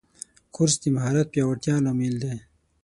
کورس د مهارت پیاوړتیا لامل دی.